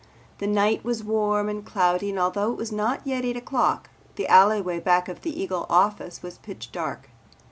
The night was warm and cloudy and although it was not yet eight o'clock, the alleyway back of the Eagle office was pitch dark.